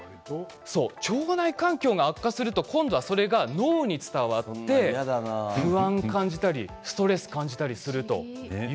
腸内環境が悪化すると今度はそれが脳に伝わって不安を感じたりストレスを感じたりすると。